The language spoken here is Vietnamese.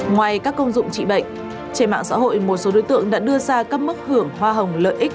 ngoài các công dụng trị bệnh trên mạng xã hội một số đối tượng đã đưa ra các mức hưởng hoa hồng lợi ích